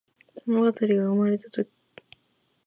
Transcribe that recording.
ものがたりがうまれるとき